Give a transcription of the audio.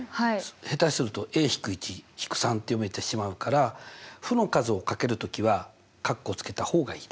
下手すると−１−３って読めてしまうから負の数を掛ける時は括弧をつけた方がいいです。